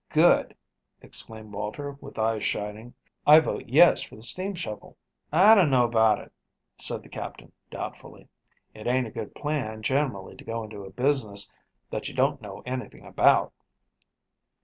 "Good," exclaimed Walter, with eyes shining. "I vote yes for the steam shovel." "I don't know about it," said the Captain doubtfully. "It ain't a good plan generally to go into a business that you don't know anything about."